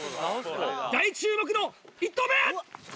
大注目の１投目！